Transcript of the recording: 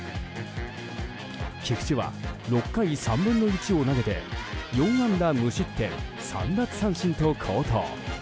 菊池は６回３分の１を投げて４安打無失点、３奪三振と好投。